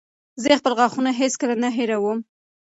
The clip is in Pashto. زه خپل غاښونه هېڅکله نه هېروم.